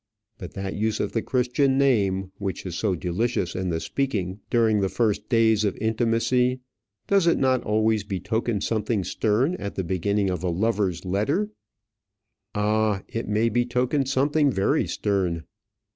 But that use of the Christian name, which is so delicious in the speaking during the first days of intimacy, does it not always betoken something stern at the beginning of a lover's letter? Ah, it may betoken something very stern!